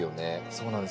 そうなんです。